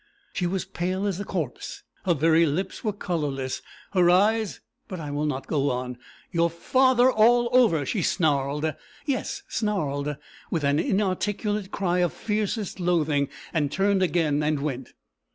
She was pale as a corpse; her very lips were colourless; her eyes but I will not go on. 'Your father all over!' she snarled yes, snarled, with an inarticulate cry of fiercest loathing, and turned again and went.